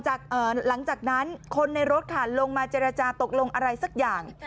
หลังจากนั้นคนในรถค่ะลงมาเจรจาตกลงอะไรสักอย่าง